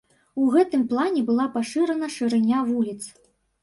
У гэтым плане была пашырана шырыня вуліц.